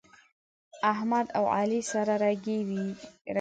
احمد او علي سره رګی کوي.